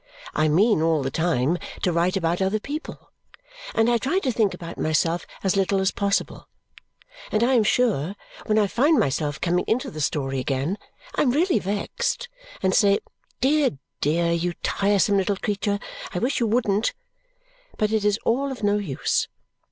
I mean all the time to write about other people, and I try to think about myself as little as possible, and I am sure, when I find myself coming into the story again, I am really vexed and say, "Dear, dear, you tiresome little creature, I wish you wouldn't!" but it is all of no use.